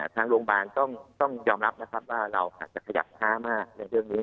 ทางโรงพยาบาลต้องยอมรับนะครับว่าเราอาจจะขยับช้ามากในเรื่องนี้